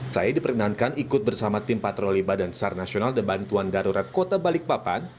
saya diperkenankan ikut bersama tim patroli badan sar nasional dan bantuan darurat kota balikpapan